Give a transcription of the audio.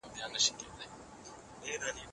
ده د بخښنې فرهنګ پياوړی کړ.